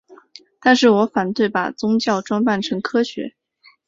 但是我反对把宗教装扮成科学。